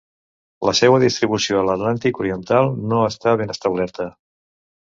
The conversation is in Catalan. La seua distribució a l'Atlàntic oriental no està ben establerta.